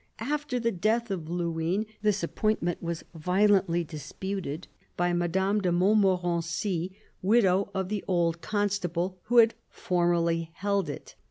After the death of Luynes, this appointment was violently dis puted by Madame de Montmorency, widow of the old THE CARDINAL 137 Constable, who had formerly held it.